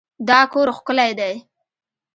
دا کور ښکلی دی.